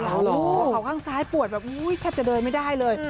หัวเข่าข้างซ้ายปวดแบบแทบจะเดินไม่ได้เลย